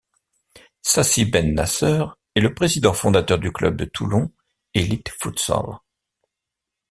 Sassi Ben Naceur est le président fondateur du club de Toulon Élite Futsal.